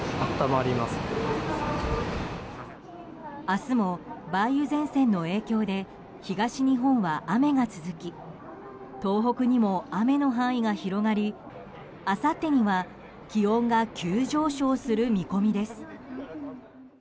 明日も梅雨前線の影響で東日本は雨が続き東北にも雨の範囲が広がりあさってには気温が急上昇する見込みです。